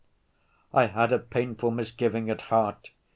I had a painful misgiving at heart!